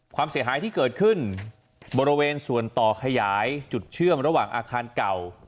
ความเสียหายที่เกิดขึ้นบริเวณส่วนต่อขยายจุดเชื่อมระหว่างอาคารเก่า